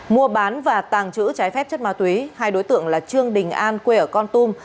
mua bán và tàng trữ trái phép chất ma túy hai đối tượng là trương đình an quê ở con tum